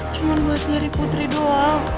cuman buat nyari putri doang